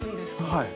◆はい。